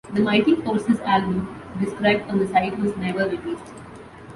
The Mighty Forces album described on the site was never released.